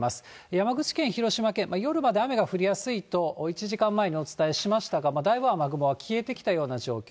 山口県、広島県、夜まで雨が降りやすいと１時間前にお伝えしましたが、だいぶ雨雲は消えてきたような状況。